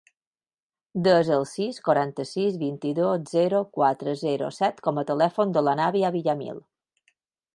Desa el sis, quaranta-sis, vint-i-dos, zero, quatre, zero, set com a telèfon de l'Anabia Villamil.